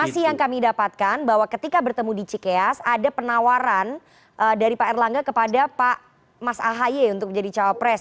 saya ingin menekankan bahwa ketika bertemu di cikeas ada penawaran dari pak erlangga kepada pak mas ahy untuk menjadi cowok pres